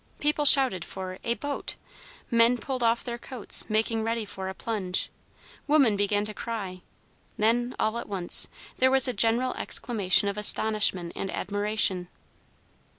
People shouted for "a boat;" men pulled off their coats, making ready for a plunge; women began to cry; then, all at once, there was a general exclamation of astonishment and admiration.